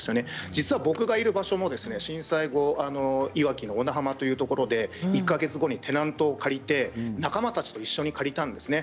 実は僕がいる場所も震災後いわきの小名浜いうところで１か月後にテナントを借りて仲間たちと一緒に借りたんですね。